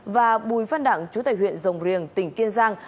và bùi văn đặng chú tài huyện rồng riềng tỉnh kiên giang